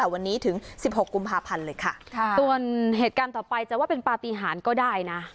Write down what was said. แต่วันนี้ถึงสิบหกกุมภาพันธ์เลยค่ะส่วนเหตุการณ์ต่อไปจะว่าเป็นปฏิหารก็ได้นะ